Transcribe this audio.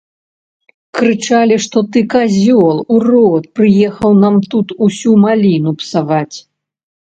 Крычалі, што ты казёл, урод, прыехаў нам тут усю маліну псаваць.